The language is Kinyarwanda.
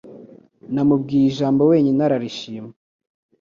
Namubwiye ijambo wenyine ararishima.